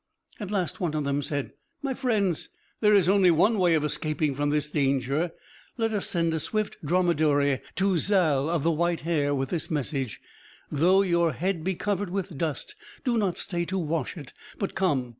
At last one of them said, "My friends, there is only one way of escaping from this danger. Let us send a swift dromedary to Zal of the white hair, with this message: 'Though your head be covered with dust, do not stay to wash it, but come.'